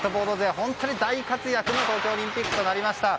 本当に大活躍の東京オリンピックとなりました。